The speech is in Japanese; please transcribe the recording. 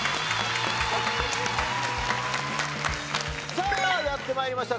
さあやって参りました